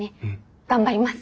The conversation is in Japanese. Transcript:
頑張ります！